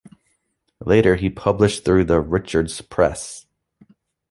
Later he published through the Richards Press.